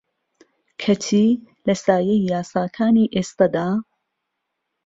کەچی لە سایەی یاساکانی ئێستەدا